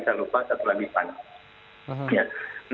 kalau tidak salah satu lagi saya lupa satu lagi pan